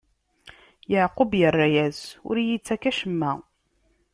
Yeɛqub irra-yas: Ur iyi-ttak acemma.